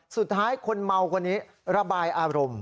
สุดท้ายคนเมาอันนี้ระบายอารมณ์